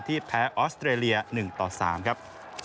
แพ้ออสเตรเลีย๑ต่อ๓ครับ